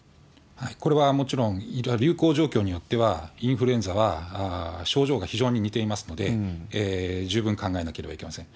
これはもちろん、流行状況によっては、インフルエンザは症状が非常に似ていますので、十分考えなければいけません。